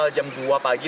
jam dua pagi